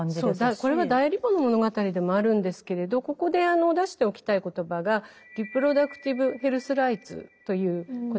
これは代理母の物語でもあるんですけれどここで出しておきたい言葉が「リプロダクティブ・ヘルス／ライツ」という言葉です。